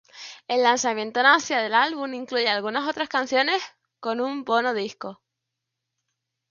El lanzamiento en Asia del álbum incluye algunas otras canciones, con un disco bonus.